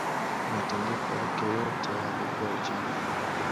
Matandiko yake yote yalikuwa chafu